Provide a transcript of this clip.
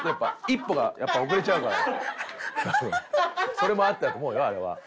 それもあったと思うよあれは。